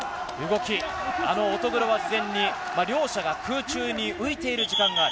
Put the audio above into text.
乙黒は事前に、両者が空中に浮いている時間がある。